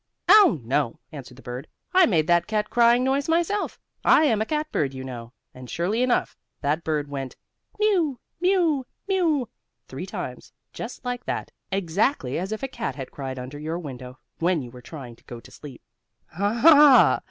"Oh, no," answered the bird. "I made that cat crying noise myself. I am a cat bird, you know," and surely enough that bird went "Mew! Mew! Mew!" three times, just like that, exactly as if a cat had cried under your window, when you were trying to go to sleep. "Ha!